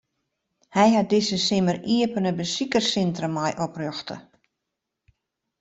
Hy hat it dizze simmer iepene besikerssintrum mei oprjochte.